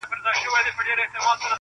سم پر مځکه ولوېدی ژړ لکه نل سو -